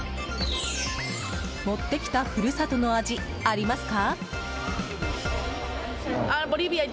持ってきた故郷の味ありますか？